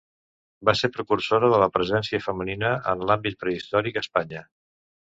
Va ser precursora de la presència femenina en l'àmbit periodístic a Espanya.